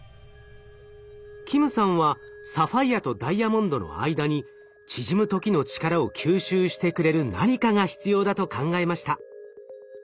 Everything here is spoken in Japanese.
金さんはサファイアとダイヤモンドの間に縮む時の力を吸収してくれる何かが必要だと考えました。